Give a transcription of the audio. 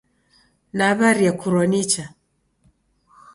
Naw'aria kurwa nicha.